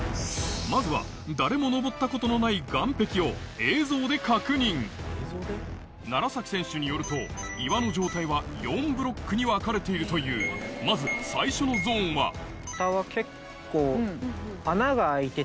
まずは誰も登ったことのない楢選手によると岩の状態は４ブロックに分かれているというまず最初のゾーンは下は結構。